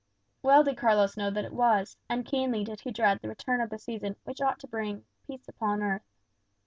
Well did Carlos know that it was; and keenly did he dread the return of the season which ought to bring "peace upon earth."